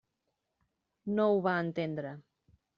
No ho va entendre.